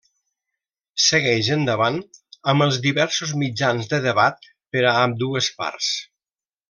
Segueix endavant amb els diversos mitjans de debat per a ambdues parts.